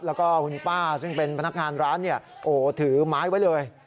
แล้วก็คุณป้าซึ่งเป็นพนักงานร้านถือไม้ไว้เลย